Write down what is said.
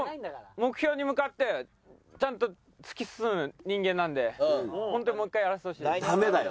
目標に向かってちゃんと突き進む人間なのでホントにもう一回やらせてほしい。